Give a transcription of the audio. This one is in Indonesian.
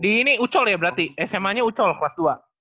ini ucol ya berarti sma nya ucol kelas dua